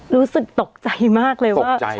รู้สึกตกใจมากเลยว่า